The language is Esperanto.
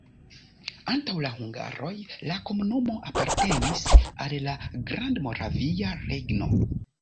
Antaŭ la hungaroj la komunumo apartenis al la Grandmoravia Regno.